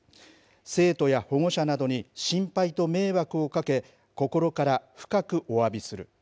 生徒や保護者などに心配と迷惑をかけ、心から深くおわびする。